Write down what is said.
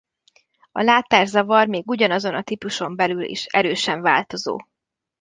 A látászavar még ugyanazon a típuson belül is erősen változó.